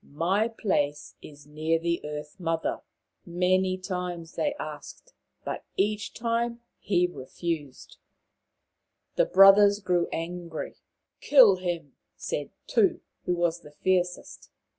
My place is near the Earth mother." Many times they asked, but each time he re fused. The brothers grew angry. " Kill him," said The Six Brothers 25 Tu, who was the fiercest.